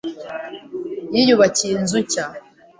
Yiyubakiye inzu nshya.